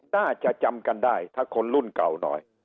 น่าจะจำกันได้ถ้าคนรุ่นเก่าหน่อย